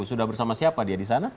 sudah bersama siapa dia di sana